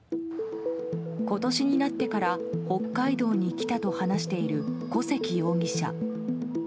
今年になってから北海道に来たと話している小関容疑者。